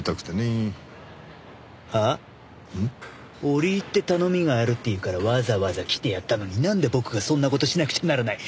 折り入って頼みがあるっていうからわざわざ来てやったのになんで僕がそんな事しなくちゃならない。